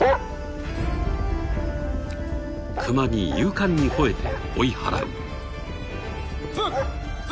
［クマに勇敢に吠えて追い払う］